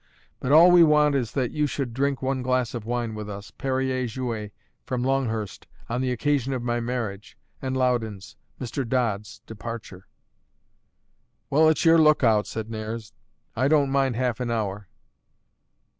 But all we want is that you should drink one glass of wine with us, Perrier Jouet, from Longhurst, on the occasion of my marriage, and Loudon's Mr. Dodd's departure." "Well, it's your lookout," said Nares. "I don't mind half an hour.